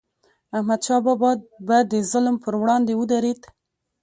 احمدشاه بابا به د ظلم پر وړاندې ودرید.